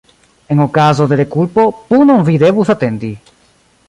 En okazo de rekulpo, punon vi devus atendi.